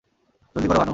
জলদি করো, ভানু।